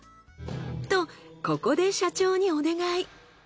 とここで社長にお願い。